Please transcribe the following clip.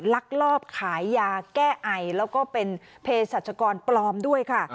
ลักลอบขายยาแก้ไอแล้วก็เป็นเพศรัชกรปลอมด้วยค่ะ